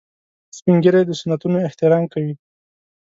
سپین ږیری د سنتونو احترام کوي